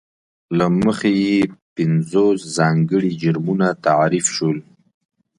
له مخې یې پینځوس ځانګړي جرمونه تعریف شول.